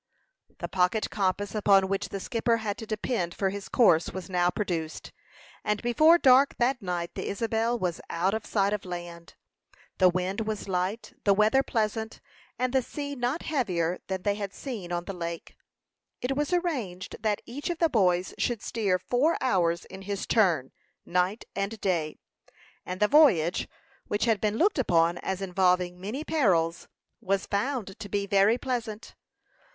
The pocket compass upon which the skipper had to depend for his course was now produced, and before dark that night the Isabel was out of sight of land. The wind was light, the weather pleasant, and the sea not heavier than they had seen on the lake. It was arranged that each of the boys should steer four hours in his turn, night and day, and the voyage, which had been looked upon as involving many perils, was found to be very pleasant.